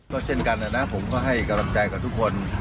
ก็เช่นกันนะผมก็ให้กำลังใจกับทุกคน